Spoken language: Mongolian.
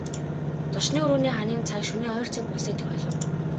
Зочны өрөөний ханын цаг шөнийн хоёр цаг болсныг дохиолов.